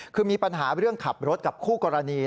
คือมีปัญหาเรื่องขับรถกับคู่กรณี